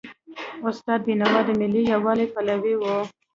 استاد بینوا د ملي یووالي پلوی و.